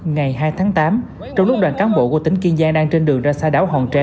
ngày hai tháng tám trong lúc đoàn cán bộ của tỉnh kiên giang đang trên đường ra xa đảo hòn tre